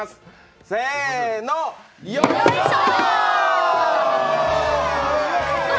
せーの、よいしょ！